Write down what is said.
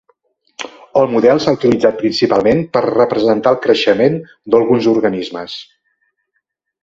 El model s'ha utilitzat principalment per representar el creixement d'alguns organismes.